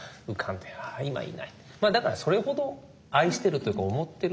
だからそれほど愛してるというか思ってる。